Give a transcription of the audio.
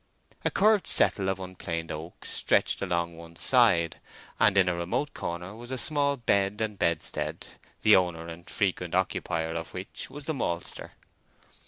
A curved settle of unplaned oak stretched along one side, and in a remote corner was a small bed and bedstead, the owner and frequent occupier of which was the maltster.